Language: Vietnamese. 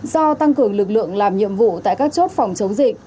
do tăng cường lực lượng làm nhiệm vụ tại các chốt phòng chống dịch